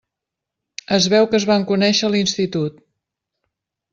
Es veu que es van conèixer a l'institut.